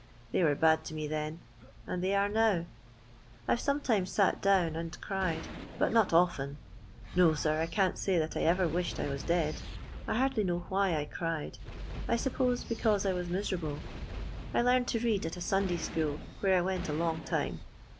They were bad to me then, and they are now. I 've sometimes sat down and cried, but not often. No, sir, I can't say that I ever wished I was dead. I hardly know why I cried. I suppose because I was miserable. I learned to read at a Sunday school, where I went a long time.